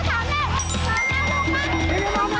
โอ้โฮโอ้โฮโอ้โฮ